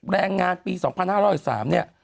แรงงานปี๒๕๑๓เนี่ย